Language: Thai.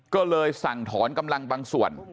ก็เลยสั่งถอนกำลังบางส่วน